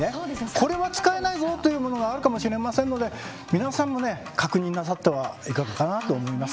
これは使えないぞというものがあるかもしれませんので皆さんもね確認なさってはいかがかなと思います。